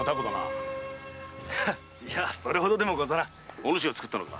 お主が作ったのか？